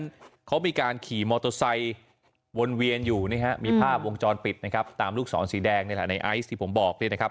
เพราะฉะนั้นเขามีการขี่มอเตอร์ไซด์วนเวียนอยู่มีภาพวงจรปิดตามลูกศรสีแดงในไอซ์ที่ผมบอก